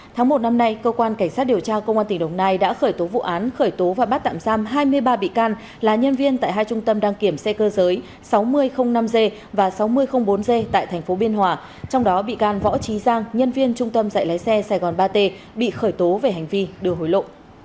tháng một năm nay cơ quan cảnh sát điều tra công an tỉnh đồng nai đã khởi tố vụ án khởi tố và bắt tạm giam hai mươi ba bị can là nhân viên tại hai trung tâm đăng kiểm xe cơ giới sáu nghìn năm g và sáu nghìn bốn g tại tp biên hòa trong đó bị can võ trí giang nhân viên trung tâm dạy lái xe sài gòn ba t bị khởi tố về hành vi đưa hối lộ